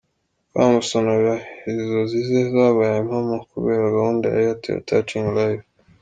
Mukamusonera izozi ze zabaye impamo kubera gahunda ya Airtel Touching Lives.